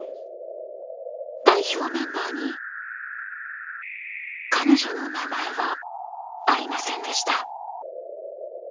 ［代表メンバーに彼女の名前はありませんでした］